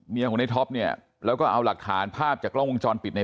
ของในท็อปเนี่ยแล้วก็เอาหลักฐานภาพจากกล้องวงจรปิดใน